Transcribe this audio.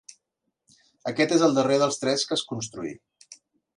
Aquest és el darrer dels tres que es construí.